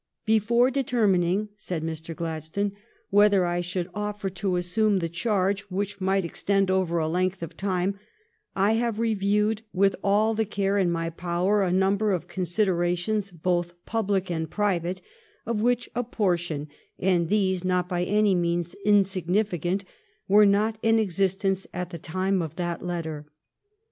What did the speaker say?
" Before determining," said Mr. Gladstone, " whether I should offer to assume the charge, which might extend over a length of time, I have reviewed with all the care in my power a number of considerations, both public and private, of which a portion, and these not by any means insignificant, were not in existence at the date of that letter.